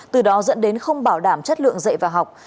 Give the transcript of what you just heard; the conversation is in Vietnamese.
từ đó dẫn đến không bảo đảm chất lượng dạy và học